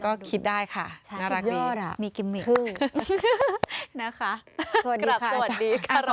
เป็นภาษาอังกฤษเหมือนกัน